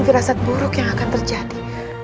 firasat buruk yang akan terjadi